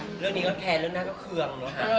เรื่องนี้ก็แพ้เรื่องนั้นก็เคือง